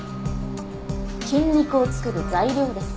菌肉を作る材料です。